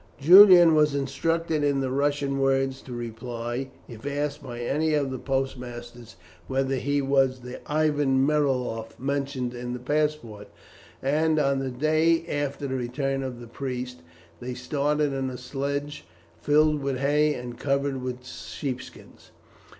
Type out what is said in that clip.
Julian was instructed in the Russian words to reply if asked by any of the postmasters whether he was the Ivan Meriloff mentioned in the passport, and, on the day after the return of the priest, they started in a sledge filled with hay and covered with sheep skins.